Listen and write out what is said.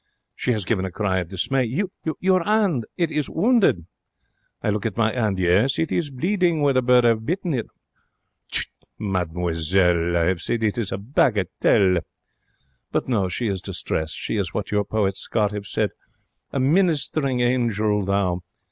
She has given a cry of dismay. 'Your 'and! It is wounded!' I look at my 'and. Yes, it is bleeding, where the bird 'ave bitten it. 'Tchut, mademoiselle,' I have said. 'It is a bagatelle.' But no. She is distressed. She is what your poet Scott 'ave said, a ministering angel thou.